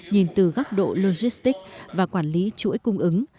nhìn từ góc độ logistics và quản lý chuỗi cung ứng